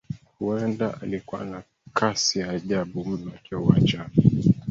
Huenda alikuwa na kasi ya ajabu mno akiwa uwanjani